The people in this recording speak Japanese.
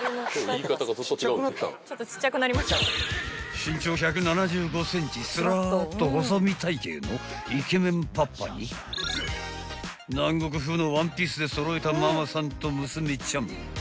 ［身長１７５ｃｍスラーッと細身体形のイケメンパパに南国風のワンピースで揃えたママさんと娘ちゃん］